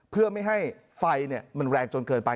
เพื่อไม่ให้ไฟมันแรงจนเกินไป